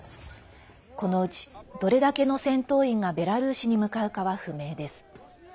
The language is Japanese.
このうち、どれだけの戦闘員がベラルーシに向かうかは不明です。